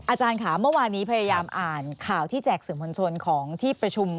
อาจารย์คำว่านี้พยายามอ่านข่าวที่แจกสืมฝ่นชนของที่